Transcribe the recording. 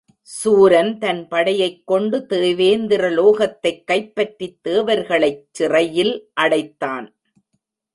சூரன் தன் படையைக் கொண்டு தேவேந்திர லோகத்தைக் கைப்பற்றித் தேவர்களைச் சிறையில் அடைத்தான்.